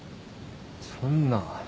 そんな。